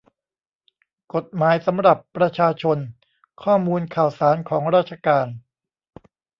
กฎหมายสำหรับประชาชน : ข้อมูลข่าวสารของราชการ